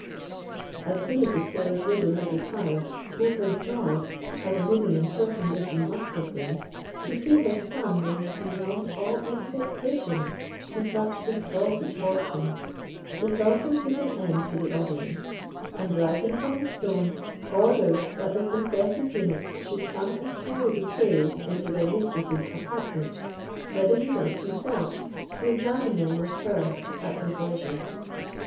As soon as the tailor's widow had retired, overjoyed as a woman in her condition must have been, to see her son raised beyond all expectations to such exalted fortune, the sultan put an end to the audience; and rising from his throne, ordered that the princess's eunuchs should come and carry the trays into their mistress's apartment, whither he went himself to examine them with her at his leisure.